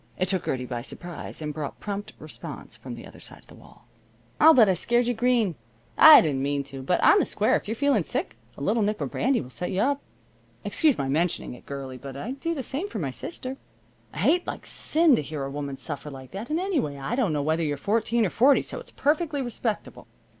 It took Gertie by surprise, and brought prompt response from the other side of the wall. "I'll bet I scared you green. I didn't mean to, but, on the square, if you're feeling sick, a little nip of brandy will set you up. Excuse my mentioning it, girlie, but I'd do the same for my sister. I hate like sin to hear a woman suffer like that, and, anyway, I don't know whether you're fourteen or forty, so it's perfectly respectable.